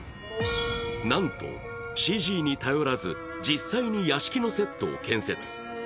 なんとＣＧに頼らず、実際に屋敷のセットを建設。